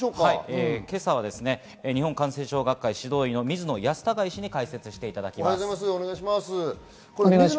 日本感染症学会指導医・水野泰孝医師に解説していただきます。